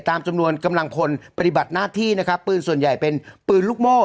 ตามจำนวนกำลังพลปฏิบัติหน้าที่นะครับปืนส่วนใหญ่เป็นปืนลูกโม่